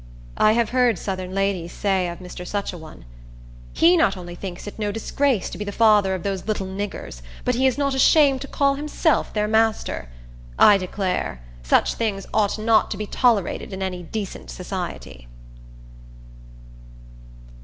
I have heard southern ladies say of Mr. Such a one, "He not only thinks it no disgrace to be the father of those little niggers, but he is not ashamed to call himself their master. I declare, such things ought not to be tolerated in any decent society!"